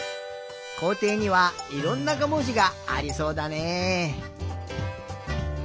こうていにはいろんな５もじがありそうだね。